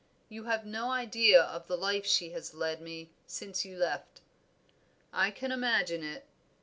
You have no idea of the life she has led me since you left." "I can imagine it."